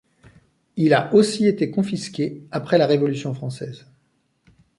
Il a aussi été confisqué après la Révolution française.